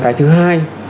cái thứ hai